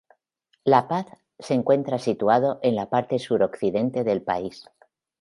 La Paz, se encuentra situado en la parte suroccidente del país.